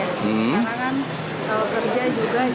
karena kan kerja juga jadinya terlalu tidak mengalami macet